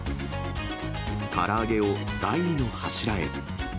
から揚げを第２の柱へ。